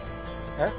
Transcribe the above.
えっ？